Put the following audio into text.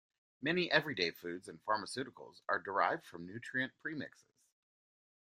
Many everyday foods and pharmaceuticals are derived from nutrient premixes.